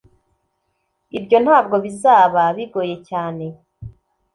Ibyo ntabwo bizaba bigoye cyane